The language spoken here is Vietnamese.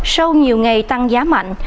sau nhiều ngày tăng giá mạnh